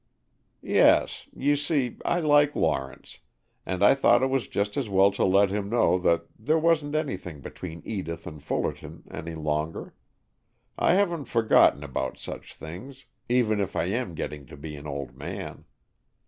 "Yes, you see I like Lawrence, and I thought it was just as well to let him know that there wasn't anything between Edith and Fullerton any longer. I haven't forgotten about such things, even if I am getting to be an old man.